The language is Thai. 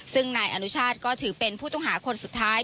ซึ่งนายอนุชาติก็ถือเป็นผู้ต้องหาคนสุดท้าย